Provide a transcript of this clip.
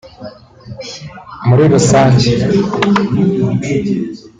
Muri rusange